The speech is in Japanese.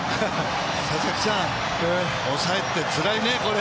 佐々木さん、抑えって、つらいね、これ。